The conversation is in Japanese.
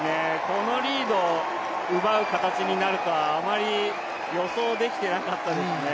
このリードを奪う形になるとはあまり予想できていなかったですね。